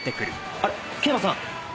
あっ桂馬さん。